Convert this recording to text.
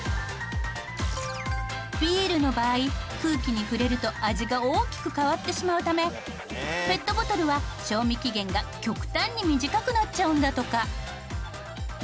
ビールの場合空気に触れると味が大きく変わってしまうためペットボトルは賞味期限が極端に短くなっちゃうんだとか。